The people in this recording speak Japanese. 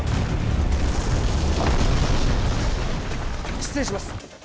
失礼します！